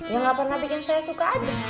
yang gak pernah bikin saya suka aja